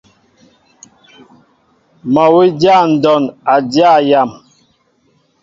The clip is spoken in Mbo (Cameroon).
Mol wi dya ndɔn a dya yam.